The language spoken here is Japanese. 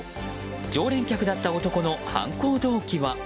常連客だった男の犯行動機は？